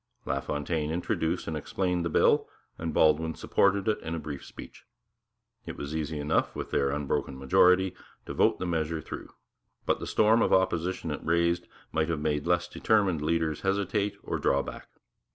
LaFontaine introduced and explained the bill, and Baldwin supported it in a brief speech. It was easy enough, with their unbroken majority, to vote the measure through; but the storm of opposition it raised might have made less determined leaders hesitate or draw back.